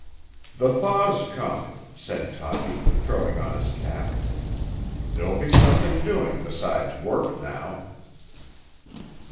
"The thaw's come," said Toppy, throwing on his cap. "There'll be something doing besides work now."